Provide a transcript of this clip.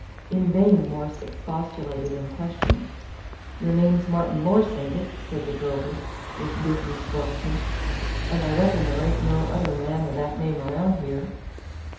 In vain Morse expostulated and questioned. "Your name's Martin Morse, ain't it?" said the drover, with business brusqueness; "and I reckon there ain't no other man o' that name around here?"